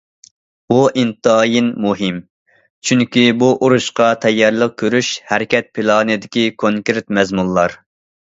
بۇ ئىنتايىن مۇھىم، چۈنكى بۇ ئۇرۇشقا تەييارلىق كۆرۈش ھەرىكەت پىلانىدىكى كونكرېت مەزمۇنلار.